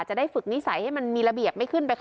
จะได้ฝึกนิสัยให้มันมีระเบียบ